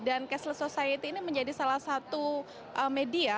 dan cashless society ini menjadi salah satu media